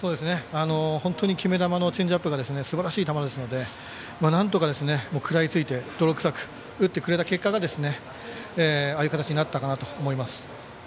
本当に決め球のチェンジアップがすばらしい球だったのでなんとか食らいついて泥臭く打ってくれた結果がああいう形になったと思います。